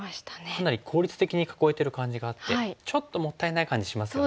かなり効率的に囲えてる感じがあってちょっともったいない感じしますよね。